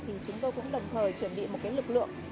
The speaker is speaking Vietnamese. thì chúng tôi cũng đồng thời chuẩn bị một lực lượng